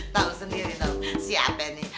tahu sendiri tau siapa ini